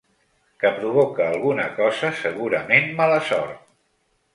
Que provoca alguna cosa, segurament mala sort.